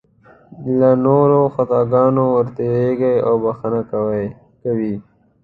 د نورو له خطاګانو ورتېرېږي او بښنه کوي.